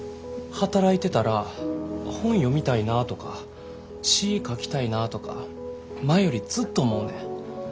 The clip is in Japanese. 働いてたら本読みたいなとか詩ぃ書きたいなぁとか前よりずっと思うねん。